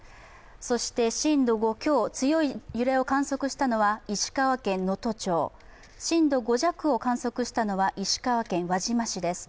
そして震度５強、強い揺れを観測したのは石川県能登町、震度５弱を観測したのは石川県輪島市です。